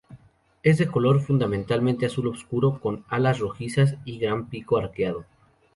Es de color fundamentalmente azul oscuro, con alas rojizas y un gran pico arqueado.